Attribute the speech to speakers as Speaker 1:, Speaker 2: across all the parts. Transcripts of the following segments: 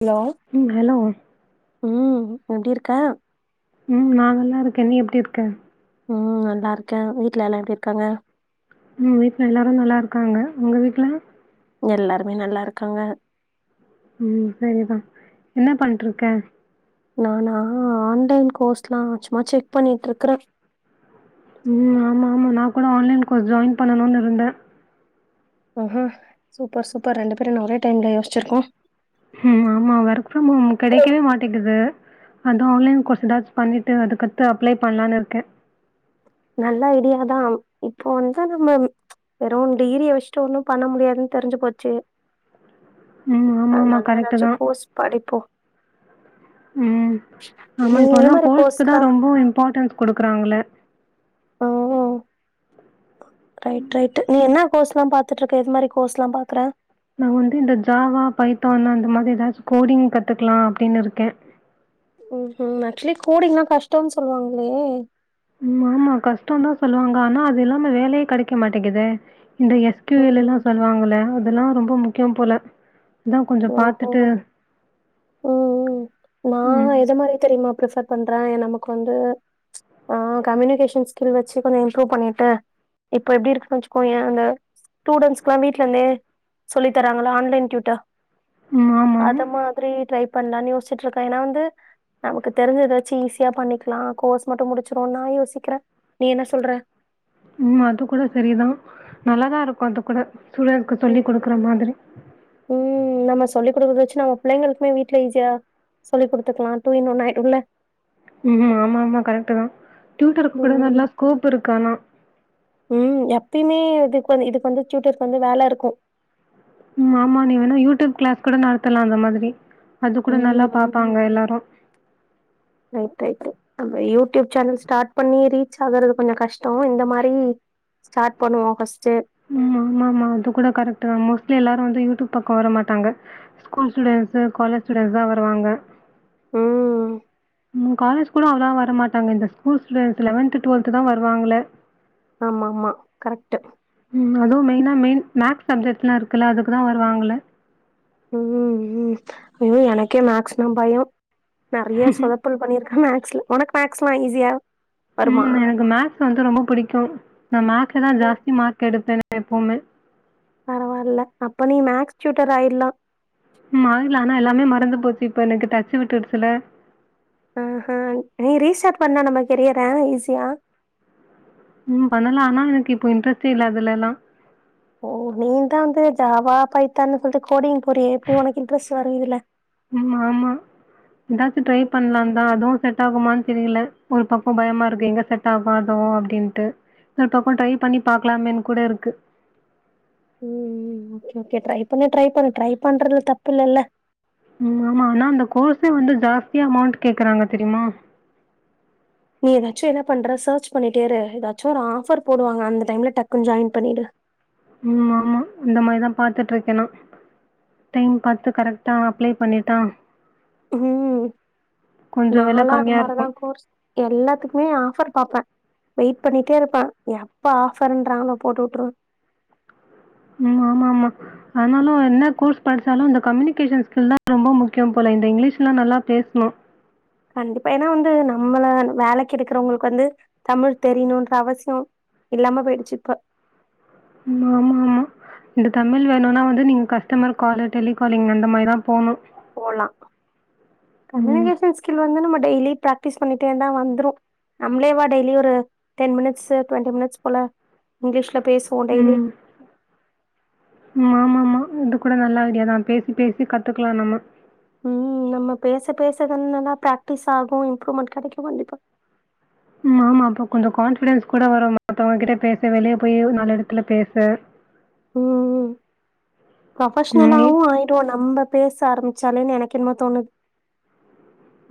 Speaker 1: Hello
Speaker 2: ம் hello
Speaker 1: ம் எப்டி இருக்க
Speaker 2: ம் நா நல்லா இருக்கே நீ எப்டி இருக்க
Speaker 1: ம் நல்லா இருக்கே வீட்டு்ல எல்லா எப்டி இருக்காங்க
Speaker 2: ம் வீட்ல எல்லாரு நல்லா இருக்காங்க உங்க வீட்டுல
Speaker 1: எல்லாருமே நல்லா இருக்காங்க
Speaker 2: ம் சரிதா என்ன பண்ருக்க
Speaker 1: நான ஆன்லைன் கோர்ஸ்ல்லா சும்மா செக் பண்ணிட்டு இருக்கறே
Speaker 2: ம் ஆமா ஆமா நான் கூட ஆன்லைன் கோர்ஸ் ஜாய்ன் பண்ணணும்னு இருந்தே
Speaker 1: ம் சூப்பர் சூப்பர் ரெண்டு பேரு என்ன ஒரே டைம்ல யோசிச்ருக்கோ
Speaker 2: ம் ஆமா ஒர்க் ஃப்ரம் ஹோம் கெடைக்கவே மாட்டேங்குது அதா ஆன்லைன் கோர்ஸ் ஏதாச்சு பண்ணிட்டு அதுக்கடுத்து அப்ளை பண்ணலான்னு இருக்கே
Speaker 1: நல்ல ஐடியாதா இப்போ வந்து நம்ம வெறும் டிகிரியை வச்சுட்டு ஒன்னும் பண்ண முடியாதுன்னு தெரிஞ்சு போச்சு
Speaker 2: ம் ஆமா,
Speaker 1: அது
Speaker 2: ஆமா.
Speaker 1: நல்லா
Speaker 2: கரெக்ட்டு
Speaker 1: ஏதாச்சு
Speaker 2: தான்.
Speaker 1: கோர்ஸ் படிப்போ
Speaker 2: ம் ஆமா
Speaker 1: நீ
Speaker 2: இப்போ
Speaker 1: எது
Speaker 2: எல்லா
Speaker 1: மாரி
Speaker 2: கோர்ஸக்கு தா
Speaker 1: கோர்ஸ்லா
Speaker 2: ரொம்ப இம்பார்ட்டன்ஸ் குடுக்குறாங்கள
Speaker 1: ஒ ரைட் ரைட் நீ என்ன கோர்ஸ்ல்லா பாத்துட்டு இருக்க எது மாரி கோர்ஸ் எல்லா பாக்குற
Speaker 2: நா வந்து இந்த ஜாவா பைத்தான் அந்த மாதிரி ஏதாச்சு கோடிங் கத்துக்கலா அப்டின்னு இருக்கே
Speaker 1: ஒ ஹோ ஆக்சுவலி கோடிங்கனா கஷ்டம்ன்னு சொல்லுவாங்களே
Speaker 2: ஆமா கஷ்டோ தா சொல்லுவாங்க ஆனா அது இல்லாம வேலயே கெடைக்க மாட்டேங்குதே இந்த எஸ் டி வி ல எல்லா
Speaker 1: ம்
Speaker 2: சொல்லுவாங்கள அதெல்லா ரொம்ப முக்கியோ போல அதா கொஞ்சோ
Speaker 1: ஓஹோ!
Speaker 2: பாத்துட்டு
Speaker 1: நா எத மாரி தெரியுமா ப்ரிஃபர் பண்றே நமக்கு வந்து அ கம்யூனிகேஷன் ஸ்கில் வச்சு கொஞ்சோ இம்ப்ரூவ் பண்ணிட்டு இப்ப எப்டி இருக்குன்னனு வச்சுக்கோயே அந்த ஸ்டூடண்ட்ஸ்க்ல்லா வீட்டுல இருந்தே சொல்லி தராங்களா ஆன்லைன்
Speaker 2: ம். ஆமா.
Speaker 1: [unintelligible] அது மாதிரி ட்ரை பண்ணலான் யோசி வந்ட்டு இருக்கே ஏன்னா வந்து நமக்கு தெரிஞ்ச ஏதாச்சு ஈஸியா பண்ணிக்கலா கோர்ஸ் மட்டு முடிச்சிடுவோ நா யோசிக்கிறே நீ என்ன சொல்ற
Speaker 2: ம் அது கூட சரிதா நல்லாதா இருக்கு அது கூட சூழலக்கு சொல்லி்
Speaker 1: ம்.
Speaker 2: குடுக்குற மாதிரி
Speaker 1: ம் நம்ம சொல்லி குடுக்குற வச்சு நம்ம பிள்ளைங்களுக்குமே வீட்ல ஈஸியா சொல்லி குடுத்துக்கலா டூ இன் ஒன்னா ஆயிடும்ல
Speaker 2: ம் ஆமாமா கரெக்ட்டுதா [unintelligible]
Speaker 1: ம்.
Speaker 2: நல்லா ஸ்கூப் இருக்கு ஆனா
Speaker 1: ம் எப்பயுமே இதுக்கு இதுக்கு வந்து சூட்டருக்கு வந்து வேல இருக்கு
Speaker 2: ம் ஆமா நீ வேணா யூடியூப் கிளாஸ் கூட நடத்தலா அந்த மாதிரி அது கூட நல்லா பாாப்பாங்க எல்லாரு
Speaker 1: [unintelligible] அ யூடியூப் சேனல் ஸ்டார்ட் பண்ணி ரீச் ஆகுறது கொஞ்ச கஷ்டோ இந்த மாரி ஸ்டாட் பண்ணுவோ ஃபஸ்டு
Speaker 2: ம் ஆமா ஆமா அது கூட கரெக்ட் தா மோஸ்ட்லி எல்லாரு வந்து யூடியூப் பக்கம் வர மாட்டாங்க ஸ்கூல்ஸ்ச இருந்து காலேஜ் ஸ்டூடண்ஸ் தா வருாங்க
Speaker 1: ம்
Speaker 2: ம் காலேஜ் கூட அவ்ளா வர மாட்டாங்க இந்த ஸ்கூல் ஸ்டூடண்ட்ஸ் லெவன்த் டுவல்த் தான் வருவாங்க
Speaker 1: ஆமா ஆமா கரெக்ட்
Speaker 2: ம் அதுவு மெயினா மெயின் மேக்ஸ் சப்ஜெக்ட்லா இருக்குது அதுக்கு தா வருவாங்கல
Speaker 1: ம் ம் ஐயோ எனக்கே மேக்ஸ்னா பயோ நெறையா சொதப் துள் பண்ணிருக்கன் மேக்ஸ்ல ஒனக்கு மேக்ஸ்ல்லா ஈஸியா வருமா?
Speaker 2: ம் எனக்கு மேக்ஸ் வந்து ரொம்ப புடிக்கும் நா மேக்ஸல தா
Speaker 1: ம்.
Speaker 2: ஜாஸ்தி மார்க் எடுப்பன் நா எப்பவுமே
Speaker 1: பரவாயில்ல அப்ப நீ மேக்ஸ் சூட்டர் ஆயிடலாம்
Speaker 2: ம் ஆயிடுலா ஆனா எல்லாமே மறந்து போச்சி இப்ப எனக்கு டச்சு விட்டுடுச்சில்ல
Speaker 1: ஆஹ நீ ரீடார்ட் பண்ண நம்ம கெரியற ஈஸியா
Speaker 2: ம் பண்ணலா ஆனா எனக்கு இப்ப இன்ட்ரெஸ்ட்டே அதுல எல்லாம்
Speaker 1: ஓ நீ தா வந்து ஜாவா பைத்தான்னு சொல்ட்டு கோடிங் போறியே எப்டி ஒனக்கு இன்ட்ரெஸ்ட் வரும் இதுல
Speaker 2: ம் ஆமா எதாச்சும் ட்ரை
Speaker 1: ம்
Speaker 2: பண்ணலான் தா அதுவும் செட் டாகுமான் தெரியல ஒரு பக்கம் பயமா இருக்கு எங்க செட்டாகுமோ ஆதோ அப்டின்ட்டு ஒரு பக்கம் ட்ரை பண்ணி பாக்கலாமேன்னு கூட இருக்கு
Speaker 1: ம் ம் ம் கேக்கற இப்பமே ட்ரை பண்ணு ட்ரை பண்றதுல தப்பு இல்லல்ல
Speaker 2: ம் ஆமா ஆனா அந்த கோர்ஸே வந்து ஜாஸ்தியா அமௌண்ட்டு கேக்கறாங்க தெரியுமா
Speaker 1: நீ எதாச்சும் என்ன பண்ற சர்ச் பண்ணிட்டே இரு எதாச்சும் ஒரு ஆஃபர் போடுவாங்க அந்த டைம்ல டக்குன் ஜாயின் பண்ணிடு
Speaker 2: ம் ஆமா இந்த மாரிதா பாத்துட்டு இருக்கே நா டைம் பாத்து கரெட்டா அப்ளை பண்ணிட்டா
Speaker 1: ம்
Speaker 2: கொஞ்சம் விலை
Speaker 1: நாளா அது
Speaker 2: கம்மியா
Speaker 1: மாரிதா
Speaker 2: இருக்கும்.
Speaker 1: கோர்ஸ் எல்லாத்துக்குமே ஆஃபர் பாப்பன் வெயிட் பண்ணிட்டே இருப்பே எப்ப ஆஃபர்ன்றாங்களோ போட்டு உட்டுருவ
Speaker 2: ம் ஆமா ஆமா ஆனாலும் என்ன கோர்ஸ் படிச்சாலும் இந்த கம்யூனிகேஷன் ஸ்கில் தா ரொம்ப முக்கியம் போல இந்த இங்கிலீஷ்லாம் நல்லா பேசணும்
Speaker 1: கண்டிப்பா ஏனா வந்து நம்மள வேலைக்கு எடுக்கிறவங்களுக்கு வந்து தமிழ் தெரியணுன்ற அவசியம் இல்லாம போயிடுச்சி இப்ப
Speaker 2: ம் ஆமா ஆமா இந்த தமிழ் வேணுன்னா வந்து நீங்க கஸ்டமர் காலு டெலி காலிங் அந்த மாரிதா போவுணும்
Speaker 1: போலா கம்யூனிகேஷன் ஸ்கில் வந்து நம்ம டெய்லி பிராக்டிஸ் பண்ணிட்டே இருந்தா வந்துரும் நம்ளேவா டெய்லி ஒரு டென் மினிட்ஸு டொண்ட்டி மினிட்ஸ் போல இங்கிலீஷ்ல பேசுவோம் டெய்லி
Speaker 2: ம். ம் ஆமா ஆமா இது கூட நல்லா ஐடியாதா பேசி பேசி கத்துக்கலா நம்ம
Speaker 1: ம் நம்ம பேச பேச தானா நல்லா பிராக்டிஸ் ஆகும் இம்ப்ரூவ்மெண்ட் கெடைக்கும் கண்டிப்பா
Speaker 2: ம் ஆமா அப்போ கொஞ்சம் கான்ஃபிடன்ஸ் கூட வரும் மத்தவங்க கிட்ட பேச வெளிய போயி நாலு எடத்துல பேச
Speaker 1: ம் ம்
Speaker 2: ம். நீ
Speaker 1: ப்ரொபஷனலாவும் ஆயிரும் நம்ப பேச ஆரம்பிச்சாலேன்னு எனக்கு என்னமோ தோணுது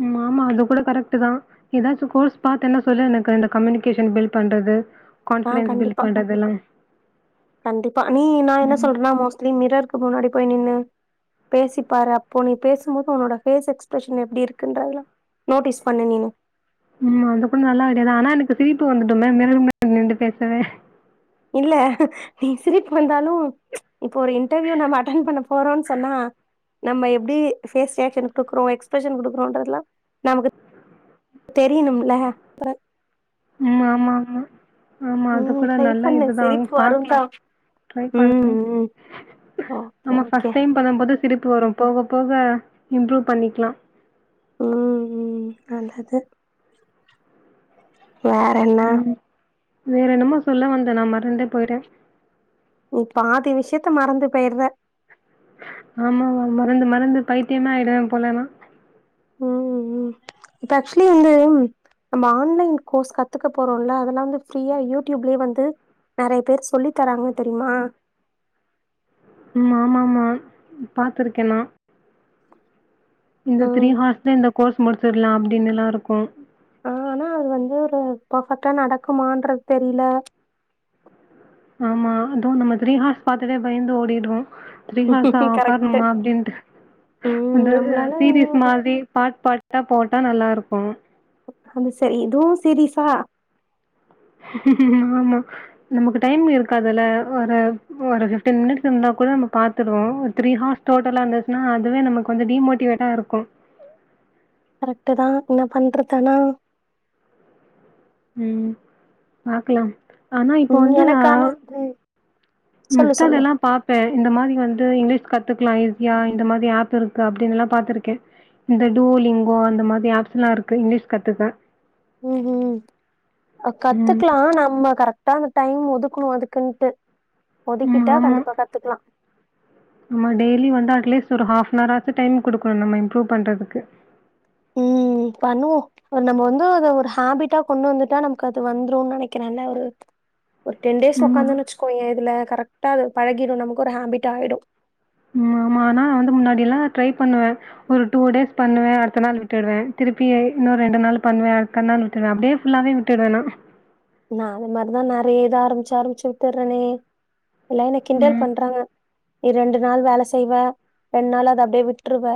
Speaker 2: ம் ஆமா அது கூட கரெக்ட்டு தா எதாச்சும் கோர்ஸ் பாத்தேன்ன சொல்லு எனக்கு இந்த கம்யூனிகேஷன் பில்ட் பண்றது
Speaker 1: ஆ
Speaker 2: கான்ஃபிடன்ஸ் பில்ட்
Speaker 1: கண்டிப்பா
Speaker 2: பண்றதெல்லாம்.
Speaker 1: கண்டிப்பா நீ நா என்ன
Speaker 2: ம்.
Speaker 1: சொல்றேன்னா மோஸ் ட்லி மிரருக்கு முன்னாடி போய் நின்னு பேசிப்பாரு அப்போ நீ பேசும்போது உன்னோட பேஸ் எக்ஸ்பிரஷன் எப்டி இருக்குன்றதுலா நோட்டீஸ் பண்ணு நீனு
Speaker 2: ம் அது கூட நல்லா ஐடியாதா ஆனா எனக்கு சிரிப்பு வந்துடுமே மிரர் முன்னாடி நின்டு பேசவே
Speaker 1: இல்ல நீ சிரிப்பு வந்தாலும் இப்ப ஒரு இன்டர்வியூ நம்ம அட்டென் பண்ண போறோம் சொன்னா நம்ம எப்டி ஃபேஸ் ரியாக்ஷன் குடுக்கறோ எக்ஸ்பிரஷன் குடுக்கறோன்றது எல்லாம் நமக்கு தெரியணும் இல்ல
Speaker 2: ம் ஆமா ஆமா ஆமா அது
Speaker 1: ம்
Speaker 2: கூட
Speaker 1: ட்ரை
Speaker 2: நல்லா
Speaker 1: பண்ணு
Speaker 2: இதுதான்ங்க
Speaker 1: சிரிப்பு வரும்
Speaker 2: பாக்கலா
Speaker 1: தான்
Speaker 2: ட்ரை பண்றன்
Speaker 1: ம் ம் ஓகே
Speaker 2: நம்ம
Speaker 1: ஓகே
Speaker 2: ஃபஸ்ட் டைம் பண்ணம் போது சிரிப்பு வரும் போக போக இம்ப்ரூவ் பண்ணிக்கலா
Speaker 1: ம் ம் நல்லது வேற என்ன
Speaker 2: ம் வேற என்னமோ சொல்ல வந்தே நா மறந்தே போயிரே
Speaker 1: நீ பாதி விஷயத்த மறந்து பெய்ட்ற
Speaker 2: ஆம மறந்து மறந்து பைத்தியமா ஆயிடுவே போல நா
Speaker 1: ம் ம் இப்ப அக்சுலி வந்து நம்ம ஆன்லைன் கோர்ஸ் கத்துக்க போறோல அதெல்லா வந்து ஃப்ரீயா யூடிப்லியே வந்து நறைய பேரு சொல்லி தராங்க தெரியுமா
Speaker 2: ம் ஆமா ஆமா பாத்துருக்கே நா இந்த
Speaker 1: ம்
Speaker 2: த்ரீ ஹார்ஸ்தா இந்த கோர்ஸ் முடிச்சிட்லா அப்டின்னுல்லா இருக்கு
Speaker 1: அ ஆனா அது வந்து ஒரு பெர்பெக்ட்டா நடக்குமான்றது தெரில
Speaker 2: ஆமா அதுவு நம்ம தீரிஹார்ஸ் பாத்ததே பயந்து ஓடிட்றோ த்ரீஹார்ஸ்ஸா
Speaker 1: கரெக்ட்டு.
Speaker 2: உக்கார்ணுமா அப்டின்ட்டு
Speaker 1: ம்
Speaker 2: அந்து
Speaker 1: நம்மளால என்ன
Speaker 2: சீரீஸ்
Speaker 1: ஒரு
Speaker 2: மாதிரி பாட் பாட் கட்டா போட்டா நல்லாருக்கு
Speaker 1: அது சரி இதுவு சீரிசா
Speaker 2: ஆமா நமக்கு டைம் இருக்காதுல்ல ஒரு ஃபிப்டீன் மினிட்ஸ் இருந்தா கூட நம்ம பாத்ருவோ ஒரு த்ரீ ஹார்ஸ் டோட்டலாக இருந்துச்சுன்னா அதுவே நமக்கு வந்து டிமோட்டிவேட்டா இருக்கு
Speaker 1: கரெக்ட்டுதா என்ன பண்றது ஆனா
Speaker 2: ம் பாக்கலா ஆனா இப்போ
Speaker 1: ம்
Speaker 2: வந்து அ
Speaker 1: எனக்கு ஆனா ம் சொல்லு சொல்லு.
Speaker 2: இன்ஸ்டாவுலல்லாம் பாப் இப்ப இந்த மாதிரி வந்து இங்லீஷ் கத்துக்லா ஈஸியா இந்த மாதிரி ஆப் இருக்கு அப்டின்ல்லா பாத்துருக்கே இந்த டூ லிங்கோ அந்த மாதிரி ஆப்ஸ்ல்லா இருக்கு இங்லீஷ் கத்துக்க
Speaker 1: ம் ம்
Speaker 2: ம்.
Speaker 1: கத்துக்லா நம்ம கரெக்டா அந்த டைம் ஒதுக்கணு அதுக்குன்ட்டு
Speaker 2: ம்.
Speaker 1: ஒதுக்கிட்டா
Speaker 2: ஆமா.
Speaker 1: கண்டிப்பா கத்துக்லா
Speaker 2: நம்ம டெய்லி வந்து அட்லீஸ்ட் ஒரு ஹாப்னார்ராவ்து டைம் குடுக்கணு நம்ம இம்ப்ரூவ் பண்றதுக்கு
Speaker 1: ம் பண்ணுவோ ஒரு நம்ம வந்து அத ஒரு ஹாபிட்டா கொண்டு வந்துட்டா நமக்கு அது வந்துருனு நெனைக்கிறே நல்ல ஒரு ஒரு டென் டேஸ்
Speaker 2: ம். ம்.
Speaker 1: உக்காந்தோனு வச்சுக்கோயே இதுல கரெக்டா அது பழகிரு நமக்கு ஒரு ஹேபிட் ஆயுடு
Speaker 2: ஆமா ஆமா ஆனா வந்து முன்னாடி எல்லா ட்ரை பண்ணுவே ஒரு டூ டேஸ் பண்ணுவே அடுத்த நாள் விட்டுருவே திருப்பியு இன்னு ரெண்டு நாள் பண்ணுவே அடுத்த நாள் விட்டுறுவே அப்டியே ஃபுல்லாகவே விட்டுடனு
Speaker 1: நா அது மாரிதா நறைய இத ஆரம்பிச்சு ஆரம்பிச்சு விட்டர்ரனே எல்லா என்ன கிண்டல்
Speaker 2: ம்.
Speaker 1: பண்றாங்க ரெண்டு நாள் வேல செய்வே ரெண்டு நாள் அத அப்டியே விட்டுருவே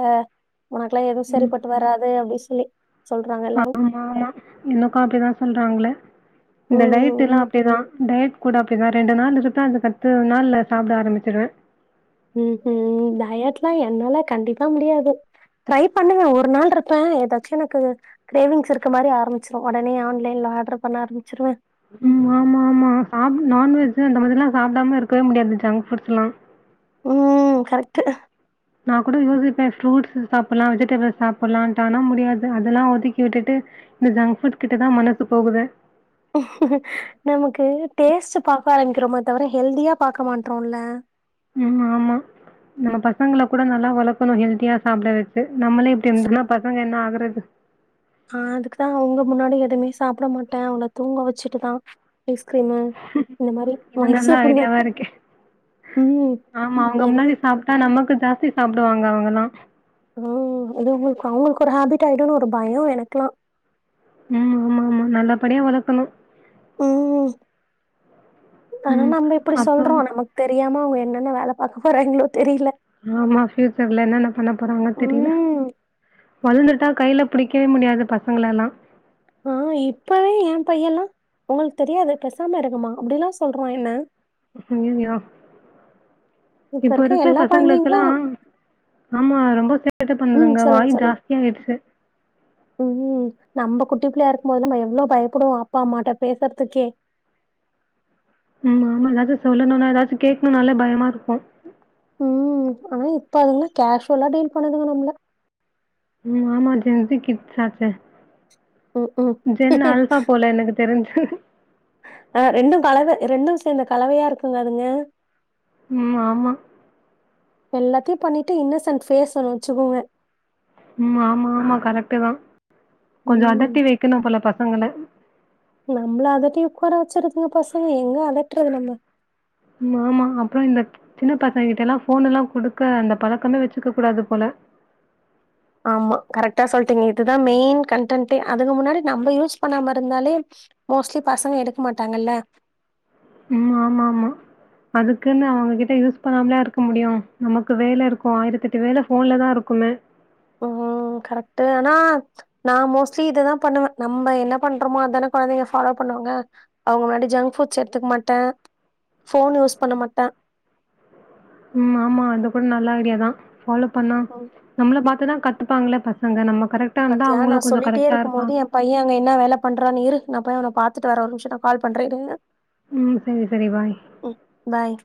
Speaker 1: உனக்குல்லா எதுவு
Speaker 2: ம்.
Speaker 1: சரிப்பட்டு வராது அப்டின்னு சொல்லி சொல்றாங்க எல்லாரு
Speaker 2: ஆமா ஆமா எனக்கு அப்டிதா சொல்றாங்ளே இந்த டயட் எல்லா
Speaker 1: ம்
Speaker 2: அப்டிதா டயட் கூட அப்டிதா ரெண்டு நாள் இருப்பே அதுக்கு அடுத்தநாள் சாப்ட ஆரம்பிச்சிருவே
Speaker 1: ம் ம் டயட்ல்லா என்னால கண்டிப்பா முடியாது ட்ரை பண்ணுவ ஒரு நாள்ருப்பே ஏதாச்சு எனக்கு க்ரேவிங்ஸ் இருக்க மாரி ஆரம்பிச்சுரு ஒடனே ஆன் லைன்ல ஆடர் பண்ண ஆரம்மிச்சிருவே
Speaker 2: ம் ஆமா ஆமா நான்வெஜ் அந்த மாதிரிலா சாப்டாம இருக்கவே முடியாது ஜங்க் ஃபுட்ஸ்ல்லா
Speaker 1: ம் கரெக்ட்டு
Speaker 2: நான் கூட யோசிப்பே ஃப்ரூட்ஸ் சாப்புட்லா வெஜிடேபிள்ஸ் சாப்புட்லான்ட்டு ஆனா முடியாது அதெல்லா ஒதுக்கி விட்டுட்டு இந்த ஜங்க்ஃபுட் கிட்டதா மனசு போகுது
Speaker 1: நமக்கு டேஸ்ட் பாக்க ஆரம்பிக்கிறோமோ தவிர ஹெல்தியா பாக்க மாட்ரோல
Speaker 2: ம் ஆமா நம்ம பசங்கள கூட நல்லா வளக்கணு ஹெல்தியா சாப்ட வெச்சு நம்மளே இப்டி இர்தனா பசங்க என்ன ஆகறது
Speaker 1: ஆ அதுக்குதா அவுங்க முன்னாடி எதுமே சாப்ட மாட்ட அவன தூங்க வெச்சுட்டுதா ஐஸ்கிரீமு இந்த மாரி
Speaker 2: இது
Speaker 1: வாங்கி
Speaker 2: நல்ல
Speaker 1: சாப்பிடுவே
Speaker 2: ஐடியாவா இருக்கு
Speaker 1: ம்
Speaker 2: ஆமா அவங்க
Speaker 1: ஏன்னா
Speaker 2: முன்னாடி சாப் டா நமக்கு ஜாஸ்தி சாப்டுவாங்க அவுங்கலா
Speaker 1: ம் இது உங்களுக் அவுங்களுக்கு ஒரு ஹேபிட் ஆயிடுனு ஒரு பயோ எனக்கிலா
Speaker 2: ம் ம் ம் நல்லபடியா வளக்கணு
Speaker 1: ம் ஆனா
Speaker 2: ம்
Speaker 1: நம்ப இப்டி
Speaker 2: அப்றோ
Speaker 1: சொல்றோ நமக் தெரியாம அவுங்க என்னென்ன வேல பாக்க போறாய்ங்களோ தெரியில
Speaker 2: ஆமா ஃபியூச்சர்ல என்னன்ன பண்ண போறாங்கன் தெரியல
Speaker 1: ம்
Speaker 2: வளந்துட்டா கைல புடிக்கவே முடியாது பசங்களலா
Speaker 1: ஆ இப்பவே எ பையலா உங்களுக்கு தெரியாது பெசாம இருங்கம்மா அப்டிலா சொல்றா என்ன
Speaker 2: அய்யய்யோ இப்ப இருக்க பசங்களுக்கெலா ஆமா ரொம்ப சேட்ட
Speaker 1: ம்
Speaker 2: பண்ணுதுங்க
Speaker 1: சொல்லுங்க
Speaker 2: வாய்
Speaker 1: சொல்லுங்க
Speaker 2: ஜாஸ்தியா ஆயிடுச்சு
Speaker 1: ம் நம்ப குட்டி பிள்ளயா இருக்கும் போதுல நம்ப எவ்ளோ பயப்புடுவோ அப்பா அம்மாட்ட பேசற்துக்கே
Speaker 2: ம் ஆமா இன்னாது சொல்லணுனா ஏதாச்சு கேக்ணுனாலே பயமா இருக்கு
Speaker 1: ம் ஆனா இப்ப அதுங்க கேஷுவலா டீல் பண்ணுதுங்க நம்ள
Speaker 2: ம் ஆமா ஜென்சி கிட்ஸ்சாச்சே
Speaker 1: ம்ஹ்ம்.
Speaker 2: ஜென் ஆல்பா போல என்னது தெரிஞ்சு
Speaker 1: ஆ ரெண்டு கலந்த அ ரெண்டு சேந்த கலவையா இருக்குங்க அதுங்க
Speaker 2: ம் ஆமா
Speaker 1: எல்லாத்தியு பண்ணிட்டு இன்னசன்ட் ஃபேஸ் ஒன்னு வச்சுக்குங்க
Speaker 2: ம் ஆமாமா கரெக்ட்டு தா கொஞ்ச
Speaker 1: ம்.
Speaker 2: அதட்டி வெக்கணு போல பசங்கள
Speaker 1: நம்மள அதட்டி உக்கார வெச்சுறுதுங்க பசங்க எங்க அதட்றது நம்ம
Speaker 2: ஆமாம் அப்புற இந்த சின்ன பசங்க கிட்டலா போனுல குடுக்க அந்த பழக்கமே வெச்சுக்க கூடாது போல
Speaker 1: ஆமா கரெக்டா சொல்லிட்டீங்க இதுதா மெயின் கண்டன்டே அதுக்கு முன்னாடி நம்ம யூஸ் பண்ணாம இருந்தாலே மோஸ்ட்லி பசங்க எடுக்க மாட்டாங்கல்ல
Speaker 2: ம் ஆம ஆமா அதுக்குனு அவங்கக்கிட்டே யூஸ் பண்ணாமலே இருக்க முடியு நமக்கு வேல இருக்கு ஆயிரத்தெட்டு வேல ஃபோன்லதா இருக்குமே
Speaker 1: ம் கரெக்டு ஆனா நா மோஸ்ட்லி இதுதா பண்ணுவே நம்ப என்ன பண்றோமோ அதான கொழந்தைங்க ஃபாலோ பண்ணுவாங்க அவங்க முன்னாடி ஜங்க் ஃபுட்ஸ் எத்துக் மாட்ட ஃபோன் யூஸ் பண்ண மாட்ட
Speaker 2: ம் ஆமா அது கூட நல்லா ஐடியாதா ஃபாலோ பண்ணா
Speaker 1: ம்
Speaker 2: நம்ள பாத்து தா கத்துப்பாங்ளே பசங்க நம்ம கரெக்டாந்தா
Speaker 1: பாத்தியா நா
Speaker 2: அவுங்களு கொஞ்ச
Speaker 1: சொல்லிட்டே
Speaker 2: கரெக்டா
Speaker 1: இருக்கும்போது
Speaker 2: இருப்பாங்
Speaker 1: என் பைய அங்க என்ன வேல பண்றானு இரு நா போய் அவன பாத்துட்டு வர ஒர் நிம்ஷ நா கால் பண்ற இரு
Speaker 2: ம் சரி சரி பாய்
Speaker 1: ம் பாய்